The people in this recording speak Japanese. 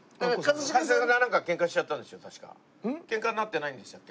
ケンカになってないんでしたっけ